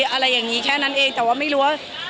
อะไรอย่างนี้แค่นั้นเองแต่ว่าไม่รู้ว่า